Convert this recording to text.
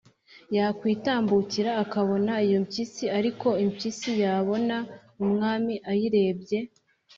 yakwitambukira akabona iyo mpyisi, ariko impyisi yabona umwami ayirebye,